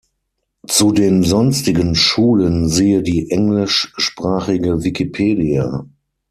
Zu den sonstigen Schulen siehe die englischsprachige Wikipedia.